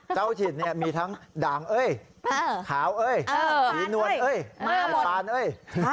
เจ้าถิ่นเนี่ยมีทั้งด่างเอ้ยขาวเอ้ยผีนวลเอ้ยปานเอ้ย